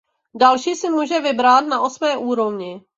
Další si může vybrat na osmé úrovni.